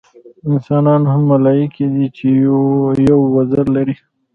انسانان هغه ملایکې دي چې یو وزر لري.